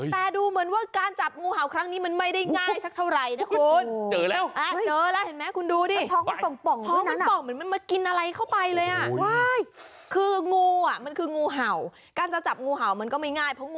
แต่ดูเหมือนว่าการจับงูเห่าครั้งนี้มันไม่ได้ง่ายสักเท่าไหร่นะคุณ